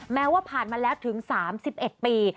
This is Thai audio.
แม้ว่าผ่านมาแล้วถึง๓๑ปี